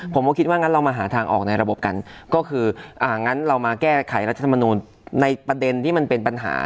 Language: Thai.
ผมก็คิดว่างั้นเรามาหาทางออกในระบบกันก็คืออ่างั้นเรามาแก้ไขรัฐธรรมนูลในประเด็นที่มันเป็นปัญหา